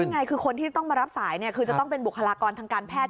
ไงคือคนที่ต้องมารับสายคือจะต้องเป็นบุคลากรทางการแพทย์